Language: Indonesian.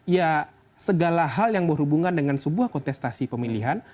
ya segala hal yang berhubungan dengan sebuah kontestasi pemilihan